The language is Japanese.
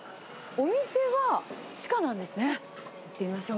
お店は地下なんですね。